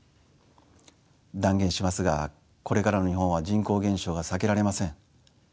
断言しますがこれからの日本は人口減少が避けられません。